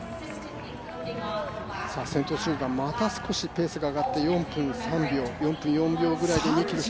先頭集団また少しペースが上がって４分３秒、４分４秒ぐらい。